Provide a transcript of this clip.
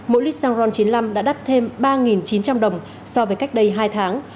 mỗi lít xăng ron chín mươi năm đã đắt thêm ba chín trăm linh đồng so với cách đây hai tháng